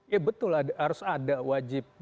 ya betul harus ada wajib